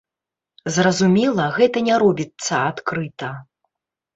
Зразумела, гэта не робіцца адкрыта.